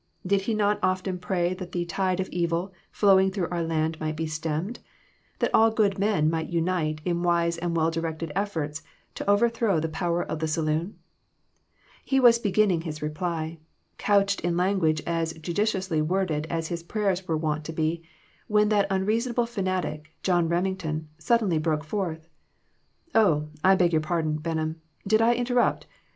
Did he 32O EMBARRASSING QUESTIONS. not often pray that the "tide of evil flowing through our land might be stemmed"; that all good men might unite in "wise and well directed efforts " to overthrow the power of the saloon ? He was beginning his reply, couched in language as judiciously worded as his prayers were wont to be, when that uureasonable fanatic, John Reming ton, suddenly broke forth " Oh, I beg your pardon, Benham ; did I inter rupt